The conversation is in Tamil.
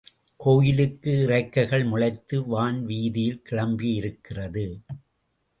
கோயிலுக்கு இறக்கைகள் முளைத்து வான் வீதியில் கிளம்பியிருக்கிறது.